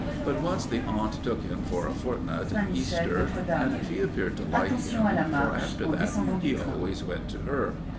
But once the aunt took him for a fortnight at Easter; and she appeared to like him, for, after that, he always went to her.